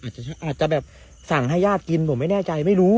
อาจจะแบบสั่งให้ญาติกินผมไม่แน่ใจไม่รู้